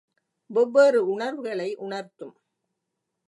வெவ்வேறு உணர்வுகளை உணர்த்தும்.